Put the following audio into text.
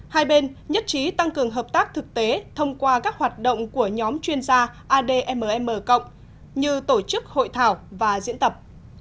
một mươi bốn hai bên nhất trí tăng cường hợp tác thực tế thông qua các hoạt động của nhóm chuyên gia admm như tổ chức hội thảo và diễn tập